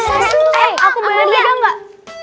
aku bener beneran gak